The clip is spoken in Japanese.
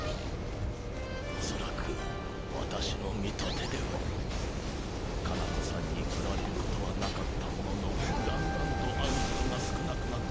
おそらく私の見立てではカナ子さんにフラれることはなかったもののだんだんと会うことが少なくなった電ボさん。